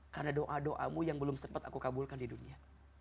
karena doa doamu yang belum sempat aku kabulkan di dunia